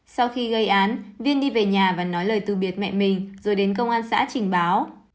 sau khi gây án viên đi về nhà và nói lời từ biệt mẹ mình rồi đến công an xã trình báo